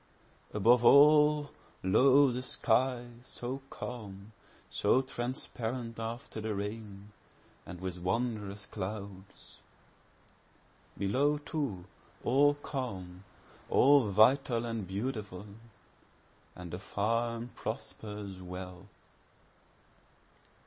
Above all, lo, the sky, so calm, so transparent after the rain, and with wondrous clouds; Below, too, all calm, all vital and beautiful—and the farm prospers well.